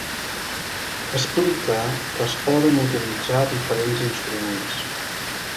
Explica que es poden utilitzar diferents instruments.